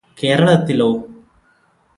കേരളത്തിലോ